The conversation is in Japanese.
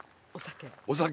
お酒。